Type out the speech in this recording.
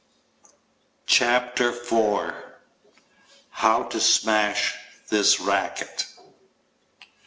CHAPTER FOUR How To Smash This Racket!